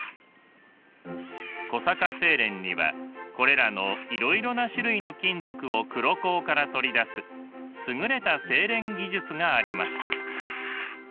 小坂製錬にはこれらのいろいろな種類の金属を黒鉱から取り出す優れた製錬技術がありました。